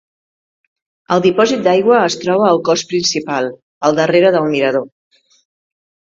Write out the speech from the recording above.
El dipòsit d'aigua es troba al cos principal, al darrera del mirador.